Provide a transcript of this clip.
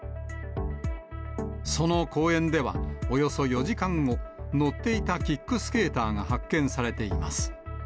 その公園では、およそ４時間後、乗っていたキックスケーターが発見されています。